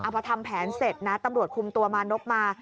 พอทำแผนเสร็จนะตำรวจคุมตัวมานพมา